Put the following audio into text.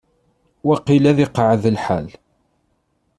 Waqil ad iqeεεed lḥal.